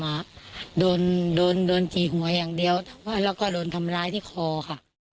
โดนโดนจีกหัวอย่างเดียวแล้วก็โดนทำร้ายที่คอค่ะ